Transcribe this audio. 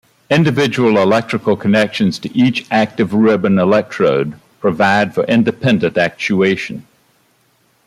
Individual electrical connections to each active ribbon electrode provide for independent actuation.